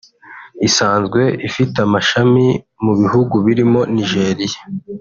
isanzwe ifite amashami mu bihugu birimo Nigeria